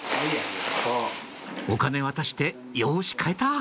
お金渡してよし買えた！